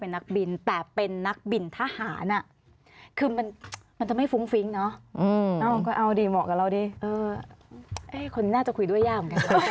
คนนี้น่าจะคุยด้วยย่าบเหมือนกัน